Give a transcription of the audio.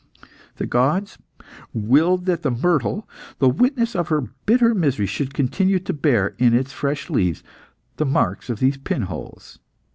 The gods willed that the myrtle, the witness of her bitter misery, should continue to bear, in its fresh leaves, the marks of the pin holes.